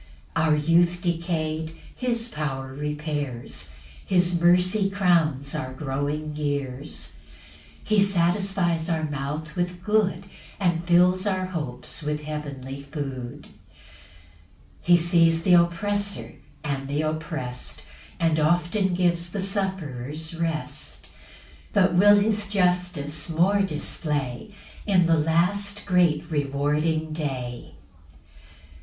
5 Our youth decay'd his power repairs; His mercy crowns our growing years; He satisfies our mouth with good, And fills our hopes with heavenly food. 6 He sees th' oppressor and th' opprest, And often gives the sufferers rest; But will his justice more display In the last great rewarding day.